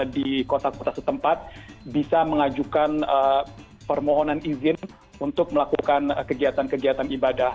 di kota kota setempat bisa mengajukan permohonan izin untuk melakukan kegiatan kegiatan ibadah